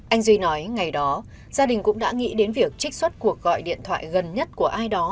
anh duy nói ngày đó gia đình cũng đã nghĩ đến việc trích xuất cuộc gọi điện thoại gần nhất của ai đó